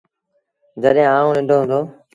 جڏهيݩ آئوٚݩ ننڍو هُݩدو۔